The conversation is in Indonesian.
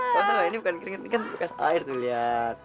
kamu tau gak ini bukan keringet ini bukan air tuh liat